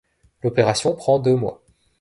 L'opération prend deux mois.